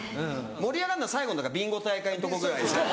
盛り上がるのは最後のビンゴ大会のとこぐらいで。